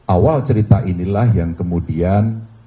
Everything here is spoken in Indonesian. awal cerita inilah yang kemudian